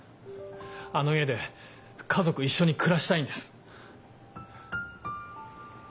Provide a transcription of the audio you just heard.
あの家で家族一緒に暮らしたいんです。